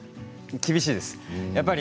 厳しいです。